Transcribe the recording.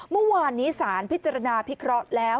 เมื่อวานนี้สารพิจารณาพิเคราะห์แล้ว